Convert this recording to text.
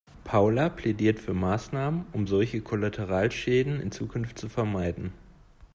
Paula plädiert für Maßnahmen, um solche Kollateralschäden in Zukunft zu vermeiden.